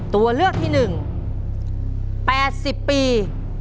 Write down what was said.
ตัวเลือกที่หนึ่ง๘๐ปี